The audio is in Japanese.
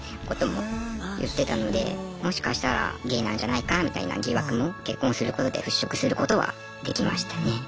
もしかしたらゲイなんじゃないかみたいな疑惑も結婚することで払拭することはできましたね。